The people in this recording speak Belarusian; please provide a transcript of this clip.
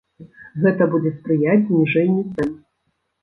Гэта будзе спрыяць зніжэнню цэн.